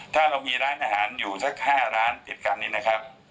ถ้าเรามีร้านอาหารอยู่สัก๕ร้านติดกันนี่นะครับ